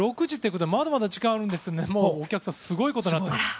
ことでまだまだ時間があるんですがもうお客さんがすごいことになっています。